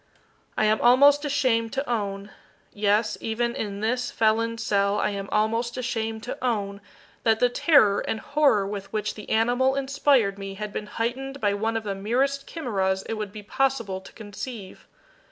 I am almost ashamed to own yes, even in this felon's cell, I am almost ashamed to own that the terror and horror with which the animal inspired me had been heightened by one of the merest chimeras it would be possible to conceive.